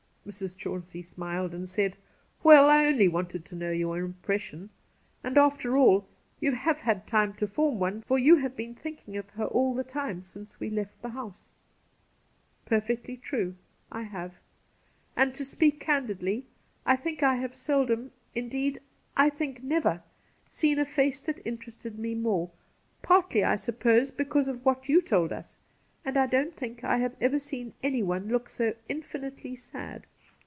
Mrs. Chauncey smUed, and said :' Well, I only wanted to know your impression. And, after aU, you have had time to form one, for you have been thinking of her all the time since we left the house !'' Perfectly true — I have. And to speak can didly, I think I have seldom — indeed, I think, never — seen a face that interested me more ; partly, I suppose, because of what you told us. And I don't think I have ever seen anyone look so infinitely sad.